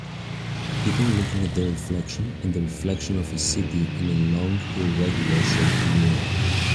People looking at their reflection and the reflection of a city in a long irregular shaped mirror